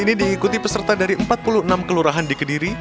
ini diikuti peserta dari empat puluh enam kelurahan di kediri